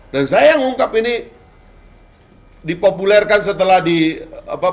dan saya yang ungkap ini dipopulerkan setelah di apa